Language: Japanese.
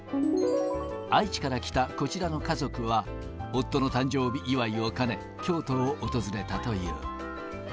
愛知から来たこちらの家族は、夫の誕生日祝いを兼ね、京都を訪れたという。